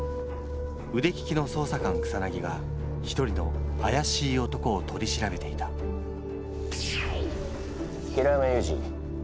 腕利きの捜査官草が一人の怪しい男を取り調べていた平山ユージ